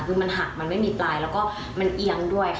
คือมันหักมันไม่มีปลายแล้วก็มันเอียงด้วยค่ะ